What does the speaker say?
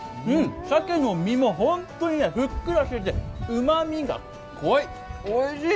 鮭の身も本当にふっくらしていてうまみがこわい、おいしい。